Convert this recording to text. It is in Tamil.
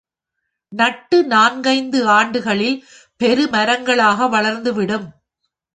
நட்டு நான்கைந்து ஆண்டுகளில் பெரு மரங்களாக வளர்ந்து விடும்.